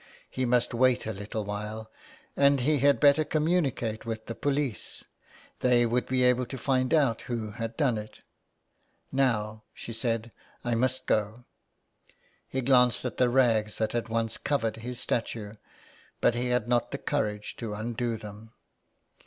He must wait a little while, and he had better communicate with the police. They would be able to find out who had done it. " Now," she said, '* I must go." He glanced at the rags that had once covered his statue, but he had not the courage to undo them.